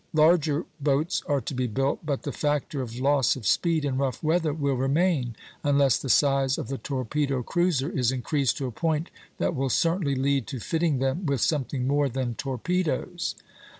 Larger boats are to be built; but the factor of loss of speed in rough weather will remain, unless the size of the torpedo cruiser is increased to a point that will certainly lead to fitting them with something more than torpedoes.